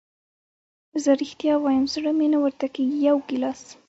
زه رښتیا وایم زړه مې نه ورته کېږي، یو ګیلاس.